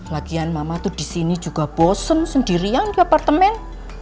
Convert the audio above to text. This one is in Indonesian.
lagian mama tuh di sini juga bosen sendirian ke apartemen